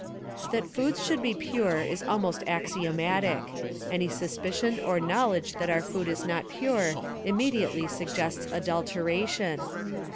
That foods should be pure is almost axiomatic. Any suspicion or knowledge that our food is not pure immediately suggests adulteration.